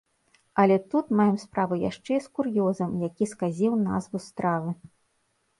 Але тут маем справу яшчэ і з кур'ёзам, які сказіў назву стравы.